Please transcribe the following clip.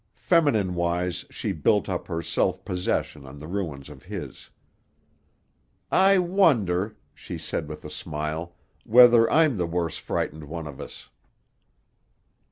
Feminine wise she built up her self possession on the ruins of his. "I wonder," she said with a smile, "whether I'm the worse frightened one of us."